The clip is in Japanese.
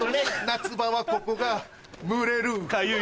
夏場はここが蒸れるかゆい。